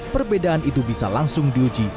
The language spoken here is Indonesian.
perbedaan itu bisa langsung diuji